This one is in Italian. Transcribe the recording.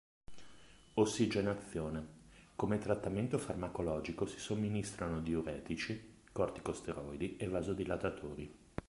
Ossigenazione, come trattamento farmacologico si somministrano diuretici, corticosteroidi e vasodilatatori.